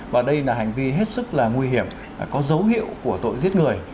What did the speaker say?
và đây là hành vi hết sức là nguy hiểm có dấu hiệu của tội giết người